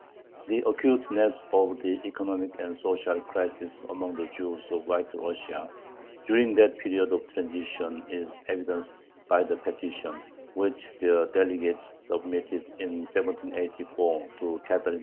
The acuteness of the economic and social crisis among the Jews of White Russia during that period of transition is evidenced by the petition which their delegates submitted in 1784 to Catherine II.